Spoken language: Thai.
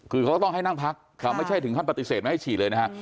คือเขาก็ต้องให้นั่งพักไม่ใช่ถึงขั้นปฏิเสธไม่ให้ฉีดเลยนะฮะ